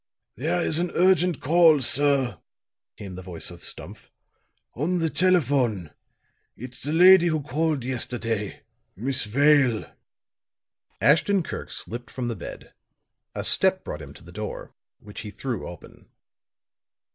"There is an urgent call, sir," came the voice of Stumph "on the telephone. It's the lady who called yesterday Miss Vale." Ashton Kirk slipped from the bed; a step brought him to the door, which he threw open.